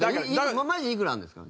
マジいくらあるんですか？